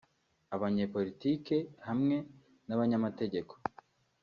abanye politike hamwe n'abanyamategeko